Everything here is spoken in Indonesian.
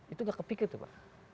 itu tidak kepikir itu pak